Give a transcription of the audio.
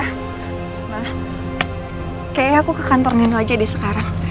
mbak kayaknya aku ke kantor nino aja di sekarang